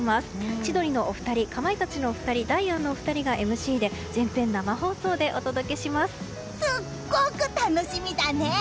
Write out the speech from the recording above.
千鳥のお二人かまいたちのお二人ダイアンのお二人がＭＣですっごく楽しみだね！